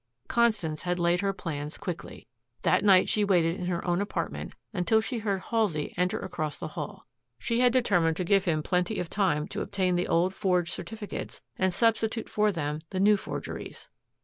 "' Constance had laid her plans quickly. That night she waited in her own apartment until she heard Halsey enter across the hall. She had determined to give him plenty of time to obtain the old forged certificates and substitute for them the new forgeries.